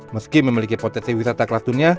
meski memiliki potensi wisata kelas dunia